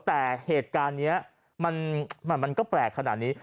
แต่เหตุการณ์นี้มันก็แปลกขนาดนี้